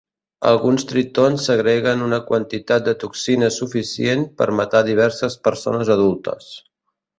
Alguns tritons segreguen una quantitat de toxines suficient per matar diverses persones adultes.